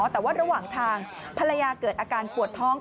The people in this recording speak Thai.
แต่ว่าระหว่างทางภรรยาเกิดอาการปวดท้อง